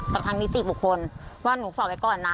กับทางนิติบุคคลว่าหนูฝากไว้ก่อนนะ